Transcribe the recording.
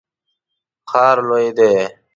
ښار لوی دی